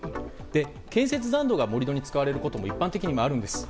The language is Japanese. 建設残土が盛り土に使われることも一般的にあるんです。